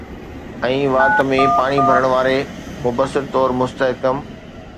۽ وات ۾ پاڻي ڀرڻ واري مبصر طور مستحڪم